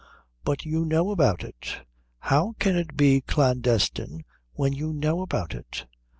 "But you know about it how can it be clandestine when you know about it?"